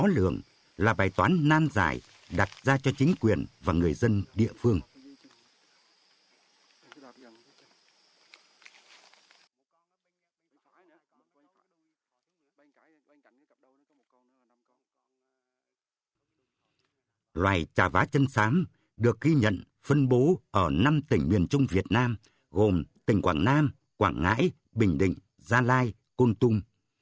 loài trà vá chân sám được ghi nhận phân bố ở năm tỉnh miền trung việt nam gồm tỉnh quảng nam quảng ngãi bình định gia lai côn tùng